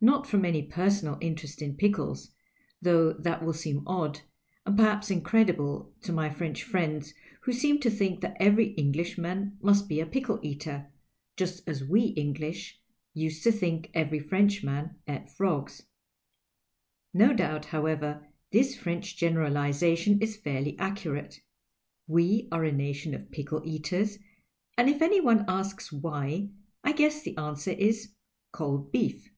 Not from any personal interest in pickles, though that will seem odd, and perhaps incredible, to my French friends, who seem to think that every Englishman must be a pickle cater — ^just as we English used to think every Frenchman ate frogs. No doubt, however, this French generalization is fairly accurate ; we are a nation of pickle eaters, and if any one asks why, I guess the answer is cold beef.